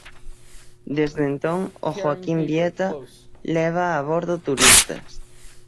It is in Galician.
Desde entón, o Joaquín Vieta leva a bordo turistas.